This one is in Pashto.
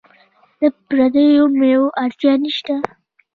د پردیو میوو اړتیا نشته.